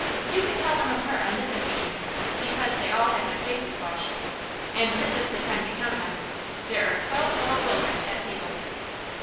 You could tell them apart on this occasion, because they all had their faces washed. And this is the time to count them: there are twelve little Wilners at table.